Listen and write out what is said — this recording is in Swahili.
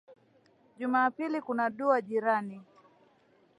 Juma pili kuna dua jirani.